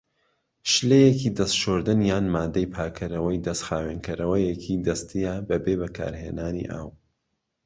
شلەیەکی دەست شۆردن یان مادەی پاکەرەوەی دەست خاوێنکەرەوەیەکی دەستیە بەبێ بەکارهێنانی ئاو.